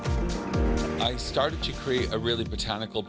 ส่วนแชมพูกลิ่นเปเปอร์มินท์ผสมอวโวคาโด่